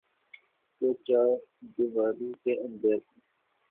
توچاردیواری کے اندر۔